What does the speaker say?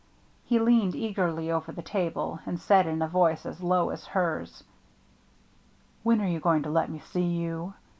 He leaned eagerly over the table, and said in a voice as low as hers: "When are you going to let me see you